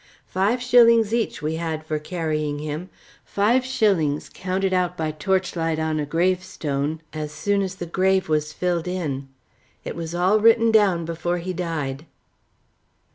Five shillings each we had for carrying him five shillings counted out by torchlight on a gravestone as soon as the grave was filled in. It was all written down before he died."